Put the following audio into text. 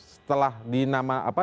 setelah di nama apa